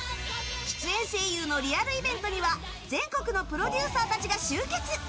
出演声優のリアルイベントには全国のプロデューサーたちが集結。